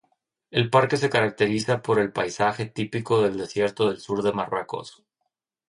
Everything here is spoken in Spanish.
El parque se caracteriza por el paisaje típico del desierto del sur de Marruecos.